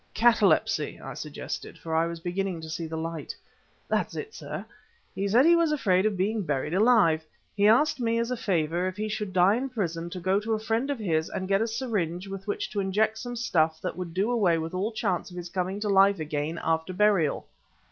"Catalepsy!" I suggested, for I was beginning to see light. "That's it, sir! He said he was afraid of being buried alive! He asked me, as a favor, if he should die in prison to go to a friend of his and get a syringe with which to inject some stuff that would do away with all chance of his coming to life again after burial."